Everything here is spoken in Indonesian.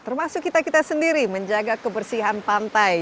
termasuk kita kita sendiri menjaga kebersihan pantai